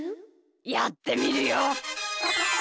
やってみるよ。